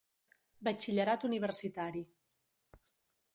Batxillerat universitari